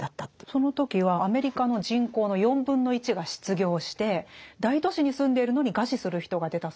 その時はアメリカの人口の４分の１が失業して大都市に住んでいるのに餓死する人が出たそうなんですね。